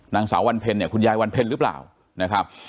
นางสาววรรณเพลินเนี้ยคุณยายวรรณเพลินหรือเปล่านะครับ